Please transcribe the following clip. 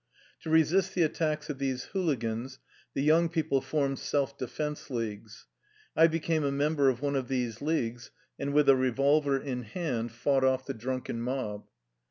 To resist the attacks of these hooligans, the young people formed self defense leagues. I be came a member of one of these leagues, and with a revolver in hand fought off the drunken mob.